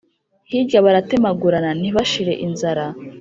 Hirya baratemagurana, ntibashire inzara,